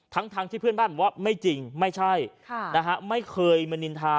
ทั้งที่เพื่อนบ้านบอกว่าไม่จริงไม่ใช่นะฮะไม่เคยมานินทา